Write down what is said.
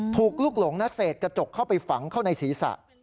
ถูกลุกหลงและเศษกระจกเข้าไปฝังเข้าในศีรษะ